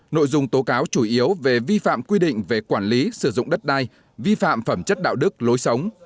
nội dung tố cáo chủ yếu về vi phạm quy định về quản lý sử dụng đất đai vi phạm phẩm chất đạo đức lối sống